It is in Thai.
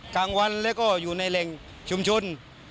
กลางวันแล้วก็อยู่ในแหล่งชุมชน